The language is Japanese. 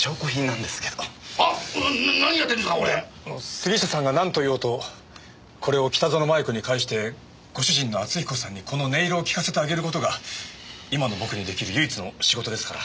杉下さんがなんと言おうとこれを北薗摩耶子に返してご主人の篤彦さんにこの音色を聴かせてあげる事が今の僕に出来る唯一の仕事ですから。